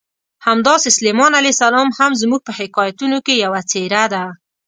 همداسې سلیمان علیه السلام هم زموږ په حکایتونو کې یوه څېره ده.